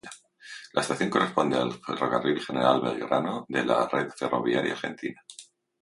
La estación corresponde al Ferrocarril General Belgrano de la red ferroviaria argentina.